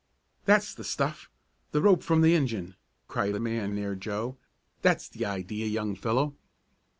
"That's the stuff! The rope from the engine!" cried the man near Joe. "That's the idea, young fellow!"